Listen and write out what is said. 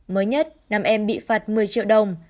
mới nhất năm em bị phạt một mươi triệu đồng